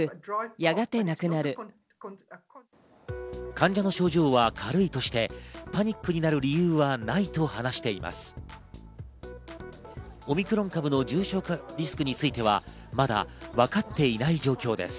患者の症状は軽いとして、パニックになる理由はないと話しています。